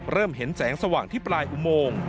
เริ่มเห็นแสงสว่างที่ปลายอุโมง